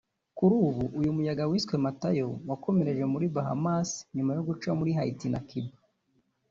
Kuri ubu uyu muyaga wiswe Matayo wakomereje muri Bahamas nyuma yo guca muri Haiti na Cuba